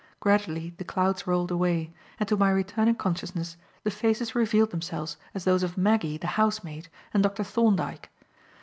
Gradually the clouds rolled away, and to my returning consciousness, the faces revealed themselves as those of Maggie, the housemaid, and Dr. Thorndyke.